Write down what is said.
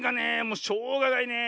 もうしょうがないね。